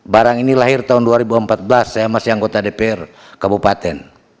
barang ini lahir tahun dua ribu empat belas saya masih anggota dpr kabupaten